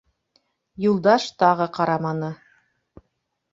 Юлдаш тағы ҡараманы.